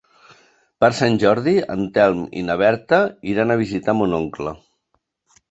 Per Sant Jordi en Telm i na Berta iran a visitar mon oncle.